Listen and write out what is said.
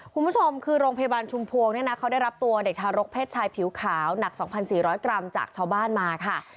คุณผู้ชมคือโรงพยาบาลชุมพวงเนี่ยนะเขาได้รับตัวเด็กทารกเพศชายผิวขาวหนัก๒๔๐๐กรัมจากชาวบ้านมาค่ะ